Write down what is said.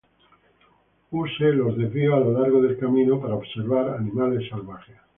Use los desvíos a lo largo del camino para observar animales salvajes.